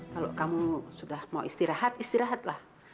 kalau kamu sudah mau istirahat istirahatlah